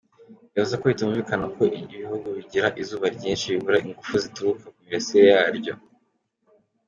Yavuze ko bitumvikana uko ibihugu bigira izuba ryinshi bibura ingufu zituruka ku mirasire yaryo.